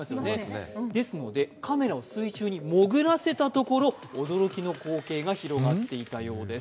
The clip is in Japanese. カメラを水中に潜らせたところ驚きの光景が広がっていたようです。